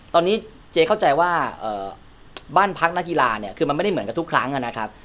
ตอนนี้เจ๊เข้าใจว่าบ้านพักนักกีฬาเนี่ยคือมันไม่ได้เหมือนกับทุกครั้งนะครับ